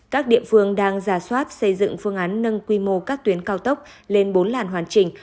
các địa phương đang ra soát xây dựng phương án nâng quy mô các tuyến cao tốc lên bốn làn hoàn chỉnh